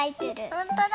ほんとだ。